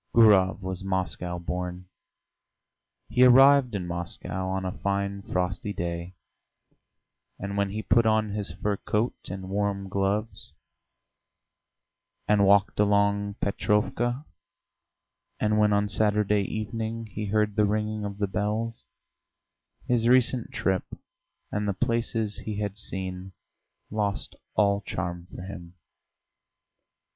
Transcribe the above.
Gurov was Moscow born; he arrived in Moscow on a fine frosty day, and when he put on his fur coat and warm gloves, and walked along Petrovka, and when on Saturday evening he heard the ringing of the bells, his recent trip and the places he had seen lost all charm for him.